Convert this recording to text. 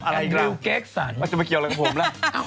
กัดเร็วเก็กสั่นแล้วจะมาเกี่ยวละกวมละ